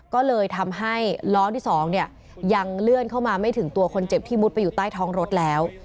ก็เลยทำให้ล้อที่๒เนี่ยยังเลื่อนเข้ามาไม่ถึงตัวคนเจ็บที่มุดไปอยู่ใต้ท้องรถแล้ว